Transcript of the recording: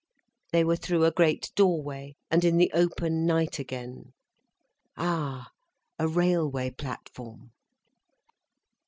They were through a great doorway, and in the open night again—ah, a railway platform!